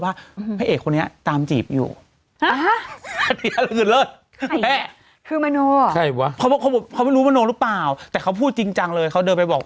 ว่าภิกษ์นี้ตามจีบหรือเปล่าแต่เขาพูดจริงจังเลยเขาเดินไปบอก